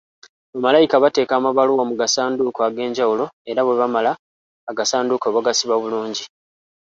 Bamalayika bateeka amabaluwa mu gasanduuko ag’enjawulo era nga bwe bamala agasanduuko bagasiba bulungi.